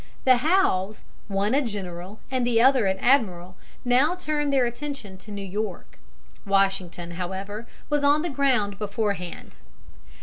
The Howes, one a general and the other an admiral, now turned their attention to New York. Washington, however, was on the ground beforehand.